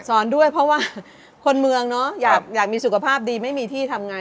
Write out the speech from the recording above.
ด้วยเพราะว่าคนเมืองเนอะอยากมีสุขภาพดีไม่มีที่ทำไง